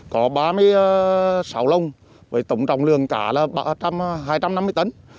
có ba mươi sáu lông với tổng trọng lượng cá là hai trăm năm mươi tấn